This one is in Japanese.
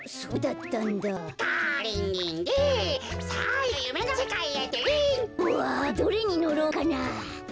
うわどれにのろうかな？